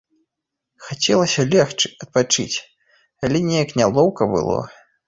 Хацелася легчы, адпачыць, але неяк нялоўка было.